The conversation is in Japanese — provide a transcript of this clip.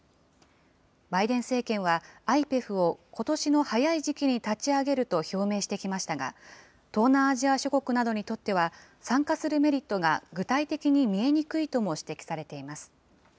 バイデン政権は、ＩＰＥＦをことしの早い時期に立ち上げると表明してきましたが、東南アジア諸国などにとっては、参加するメリットが具体的に見えにくいとも指摘されています。